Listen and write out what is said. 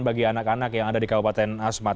bagi anak anak yang ada di kabupaten asmat